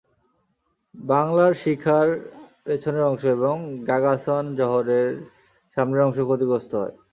বাংলার শিখার পেছনের অংশ এবং গাগাসন জহরের সামনের অংশ ক্ষতিগ্রস্ত হয়।